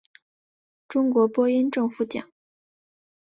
中国播音政府奖。